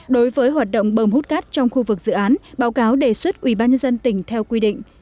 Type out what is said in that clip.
đối với hoạt động bầm hút cát trong khu vực dự án báo cáo đề xuất quỹ bác nhân dân tỉnh theo quy định